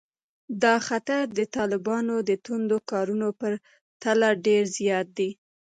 دا خطر د طالبانو د توندو کارونو په پرتله ډېر زیات دی